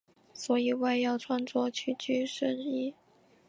所以外要穿着曲裾深衣。